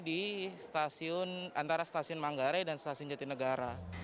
di stasiun antara stasiun manggarai dan stasiun jatinegara